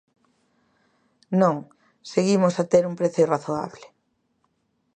Non: seguimos a ter un prezo razoable.